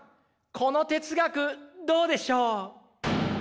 この哲学どうでしょう？